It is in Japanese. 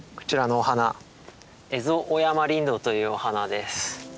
エゾオヤマリンドウというお花です。